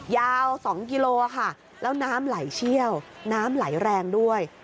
ยาว๒กิโลค่ะแล้วน้ำไหลเชี่ยวน้ำไหลแรงด้วย